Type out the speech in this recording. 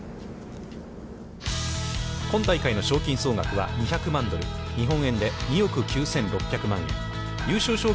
今大会の賞金総額は２００万ドル、日本円にして２億９６００万円。